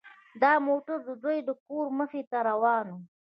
دا موټر د دوی د کور مخې ته روان و